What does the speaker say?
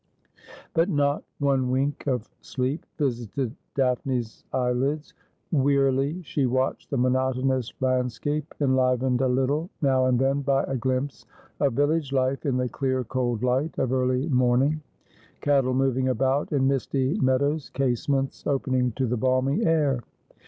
But not one wink of sleep visited Daphne's eyelids. Wearily she watched the monotonous landscape, enlivened a little now and then by a glimpse of village life in the clear cold light of early morning ; cattle moving about in misty meadows, casements opening to the balmy air.